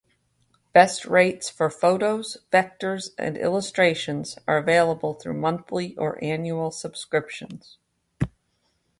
Best rates for photos, vectors and illustrations are available through monthly or annual subscriptions.